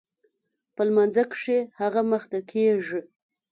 په لمانځه کښې هغه مخته کېږي.